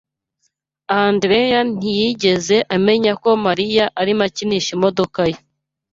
Andreya ntiyigeze amenya ko Mariya arimo akinisha imodoka ye